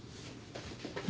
何？